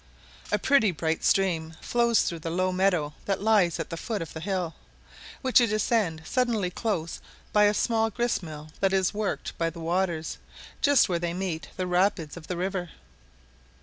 A pretty bright stream flows through the low meadow that lies at the foot of the hill, which you descend suddenly close by a small grist mill that is worked by the waters, just where they meet the rapids of the river.